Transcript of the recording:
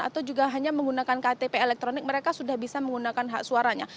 atau juga hanya menggunakan ktp elektronik mereka sudah bisa menggunakan hak suaranya